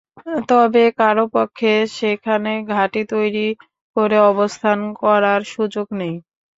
তবে কারও পক্ষে সেখানে ঘাঁটি তৈরি করে অবস্থান করার সুযোগ নেই।